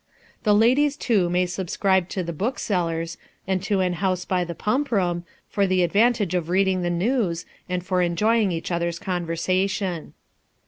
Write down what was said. The ladies, too, may subscribe to the booksellers, and to an house by the pump room, for the advantage of reading the news, and for enjoying each other's conversation.